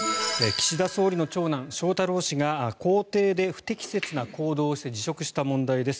岸田総理の長男・翔太郎氏が公邸で不適切な行動をして辞職した問題です。